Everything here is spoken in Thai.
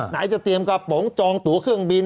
ไหนจะเตรียมกระป๋องจองตัวเครื่องบิน